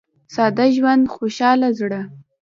• ساده ژوند، خوشاله زړه.